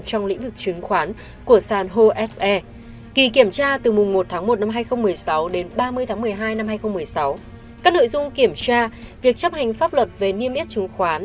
các nội dung kiểm tra việc chấp hành pháp luật về niêm yết chứng khoán